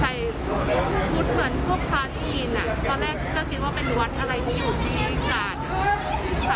ใส่ชุดเหมือนพวกพาทีนอ่ะตอนแรกก็คิดว่าเป็นวัดอะไรที่อยู่ที่ตราด